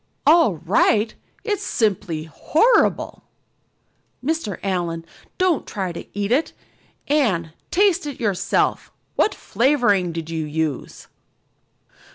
"All right! It's simply horrible. Mr. Allan, don't try to eat it. Anne, taste it yourself. What flavoring did you use?"